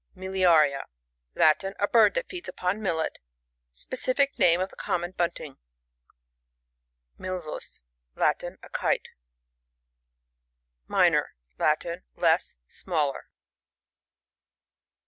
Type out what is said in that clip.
MiUARiA. — Latin. A bird that feeds upon millet SpeciEc name of the common Bunting. MiLvus. — Latin. A Kite. Minor. — Latin. Less, smaller.